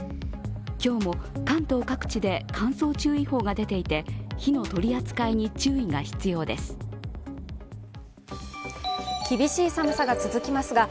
今日も関東各地で乾燥注意報が出ていて火の取り扱いに注意が必要です。